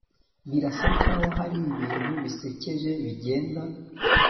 birasa nkaho hari ibintu bisekeje bigenda